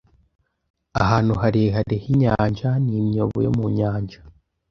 Ahantu harehare h'inyanja ni imyobo yo mu Nyanja